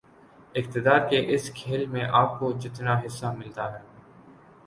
اقتدار کے اس کھیل میں آپ کو جتنا حصہ ملتا ہے